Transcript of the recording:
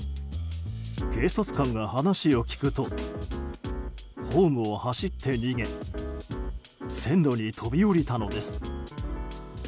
警察官が話を聞くとホームを走って逃げ線路に飛び降りたのです。